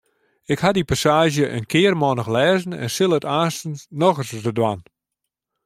Ik haw dy passaazje in kearmannich lêzen en sil it aanstens noch ris dwaan.